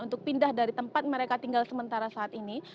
untuk pindah dari tempat mereka tinggal sementara saat ini